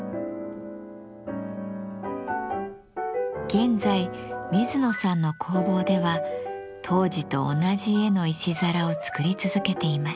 現在水野さんの工房では当時と同じ絵の石皿を作り続けています。